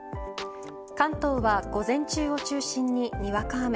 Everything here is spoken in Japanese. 関東は午前中を中心ににわか雨。